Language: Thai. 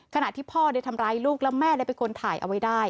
ขณะที่พ่อได้ทำร้ายลูกแล้วแม่เลยเป็นคนถ่ายเอาไว้ได้